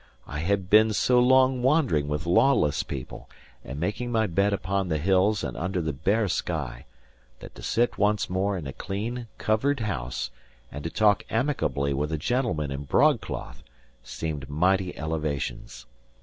I had been so long wandering with lawless people, and making my bed upon the hills and under the bare sky, that to sit once more in a clean, covered house, and to talk amicably with a gentleman in broadcloth, seemed mighty elevations.